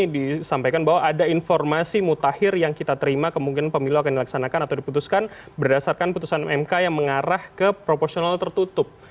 disampaikan bahwa ada informasi mutakhir yang kita terima kemungkinan pemilu akan dilaksanakan atau diputuskan berdasarkan putusan mk yang mengarah ke proporsional tertutup